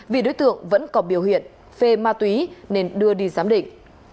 vì đối tượng vẫn có biểu hiện phê ma túy nên đưa đi giám định